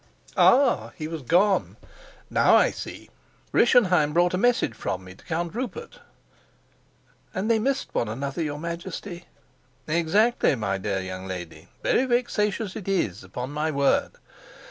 "Ah, he was gone! Now I see! Rischenheim brought a message from me to Count Rupert." "And they missed one another, your Majesty?" "Exactly, my dear young lady. Very vexatious it is, upon my word!"